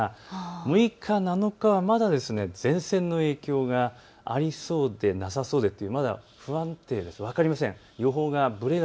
６日、７日はまだ前線の影響がありそうでなさそうでというまだ不安定で分かりません。